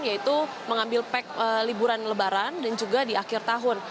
yaitu mengambil pack liburan lebaran dan juga di akhir tahun